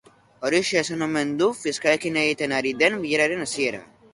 Horixe esan omen du fiskalekin egiten ari den bileraren hasieran.